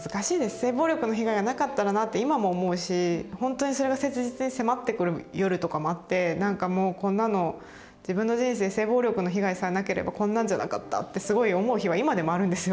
性暴力の被害がなかったらなって今も思うしほんとにそれが切実に迫ってくる夜とかもあってなんかもう「自分の人生性暴力の被害さえなければこんなんじゃなかった」ってすごい思う日は今でもあるんですよ。